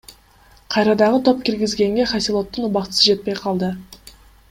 Кайра дагы топ киргизгенге Хосилоттун убактысы жетпей калды.